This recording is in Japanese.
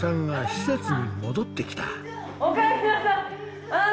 おかえりなさい。